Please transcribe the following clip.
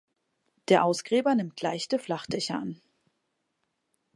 Der Ausgräber nimmt leichte Flachdächer an.